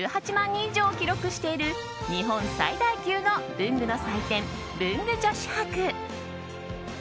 人以上を記録している日本最大級の文具の祭典文具女子博。